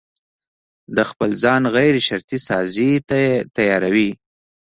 د خپل ځان غيرشرطي سازي ته يې تياروي.